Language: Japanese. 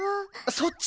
そっち！？